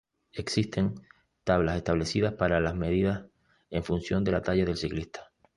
Existen tablas establecidas para las medidas en función de la talla del ciclista.